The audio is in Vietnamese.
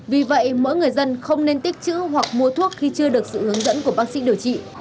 vì vậy mỗi người dân không nên tích chữ hoặc mua thuốc khi chưa được sự hướng dẫn của bác sĩ điều trị